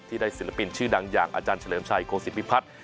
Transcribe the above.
ได้ศิลปินชื่อดังอย่างอาจารย์เฉลิมชัยโคศิพิพัฒน์